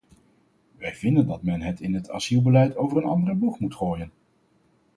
Wij vinden dat men het in het asielbeleid over een andere boeg moet gooien.